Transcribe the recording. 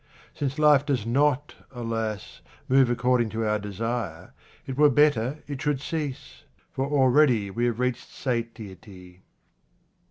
Since life does not, alas ! move according to our desire, it were better it should cease ; for already we have reached satiety.